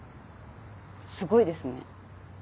すごいですね。